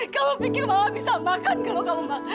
kamu pikir mama bisa makan kalau kamu enggak makan